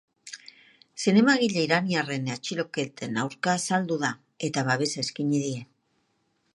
Zinemagile iraniarren atxiloketen aurka azaldu da eta babesa eskaini die.